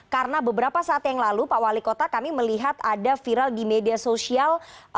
karena beberapa saat yang lalu pak wali kota kami melihat ada viral di media sosial